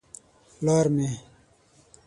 _ پلار مې.